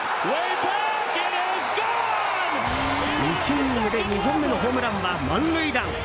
１イニングで２本目のホームランは、満塁打。